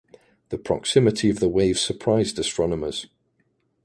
The proximity of the wave surprised astronomers.